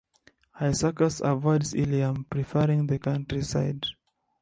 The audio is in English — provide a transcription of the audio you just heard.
Aesacus avoids Ilium, preferring the countryside.